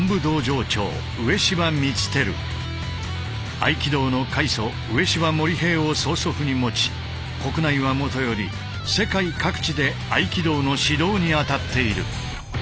合気道の開祖植芝盛平を曽祖父に持ち国内はもとより世界各地で合気道の指導に当たっている。